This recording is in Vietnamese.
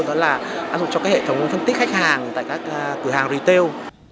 đó là ứng dụng cho các hệ thống phân tích khách hàng tại các cửa hàng retail